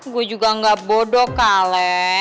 gue juga gak bodoh kale